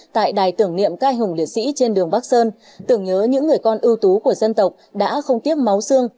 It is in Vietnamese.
tại đài tưởng niệm các anh hùng liệt sĩ trên đường bắc sơn tưởng nhớ những người con ưu tú của dân tộc đã không tiếc máu xương